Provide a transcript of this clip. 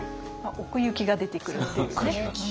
奥行きが出てくるっていうね。